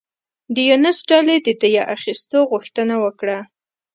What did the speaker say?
د یونس ډلې د دیه اخیستو غوښتنه وکړه.